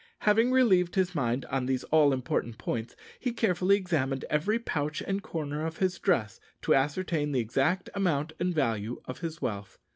Having relieved his mind on these all important points, he carefully examined every pouch and corner of his dress to ascertain the exact amount and value of his wealth.